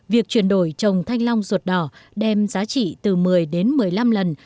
việc chuyển đổi trồng thanh long ruột đỏ đem giá trị từ một mươi đến một mươi năm lần